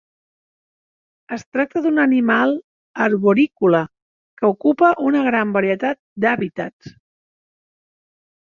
Es tracta d'un animal arborícola que ocupa una gran varietat d'hàbitats.